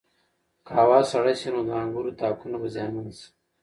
که هوا سړه شي نو د انګورو تاکونه به زیانمن شي.